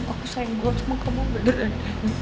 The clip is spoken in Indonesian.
aku sayang gue sama kamu beneran